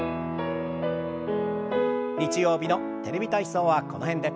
日曜日の「テレビ体操」はこの辺で。